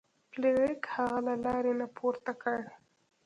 فلیریک هغه له لارې نه پورته کړ.